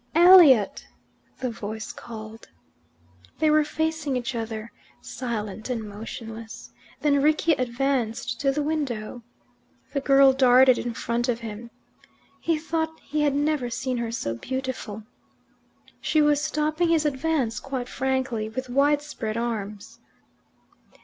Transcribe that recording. "Elliot!" the voice called. They were facing each other, silent and motionless. Then Rickie advanced to the window. The girl darted in front of him. He thought he had never seen her so beautiful. She was stopping his advance quite frankly, with widespread arms.